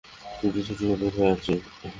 শুধু ছুটির অপেক্ষায় আছি।